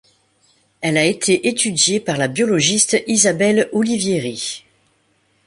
Elle a été étudiée par la biologiste Isabelle Olivieri.